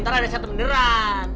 ntar ada setendiran